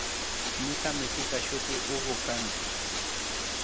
Ñuka misipa shuti Hugo kan